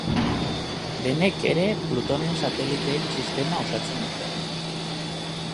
Denek ere Plutonen sateliteen sistema osatzen dute.